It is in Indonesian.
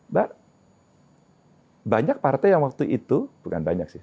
mbak banyak partai yang waktu itu bukan banyak sih